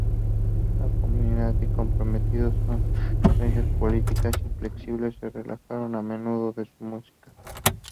Un comunista comprometido, sus creencias políticas inflexibles se reflejaron a menudo en su música.